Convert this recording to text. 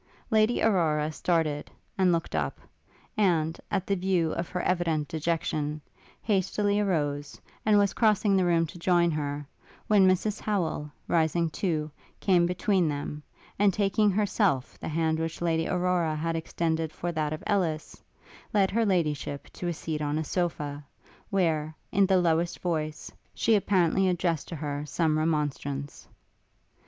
Lady Aurora started, and looked up; and, at the view of her evident dejection, hastily arose, and was crossing the room to join her; when Mrs Howel, rising too, came between them, and taking herself the hand which Lady Aurora had extended for that of Ellis, led Her Ladyship to a seat on a sofa, where, in the lowest voice, she apparently addressed to her some remonstrance.